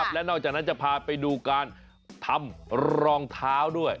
และนอกจากนั้นจะพาไปดูการทำรองเท้าด้วย